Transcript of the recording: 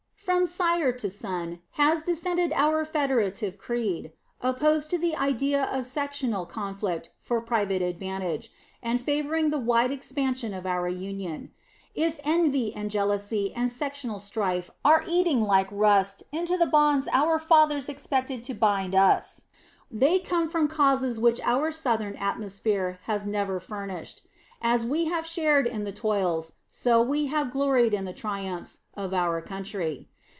From sire to son has descended our federative creed, opposed to the idea of sectional conflict for private advantage, and favoring the wider expanse of our union. If envy and jealousy and sectional strife are eating like rust into the bonds our fathers expected to bind us, they come from causes which our Southern atmosphere has never furnished. As we have shared in the toils, so we have gloried in the triumphs, of our country.